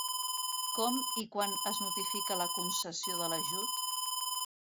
Com i quan es notifica la concessió de l'ajut?